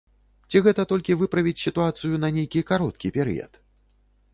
Ці гэта толькі выправіць сітуацыю на нейкі кароткі перыяд?